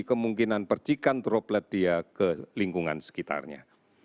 kemungkinan percikan droplet dia ke lingkungan sekitarnya